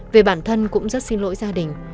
về bản thân cũng rất xin lỗi gia đình